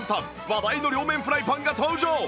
話題の両面フライパンが登場